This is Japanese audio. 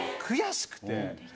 悔しくて。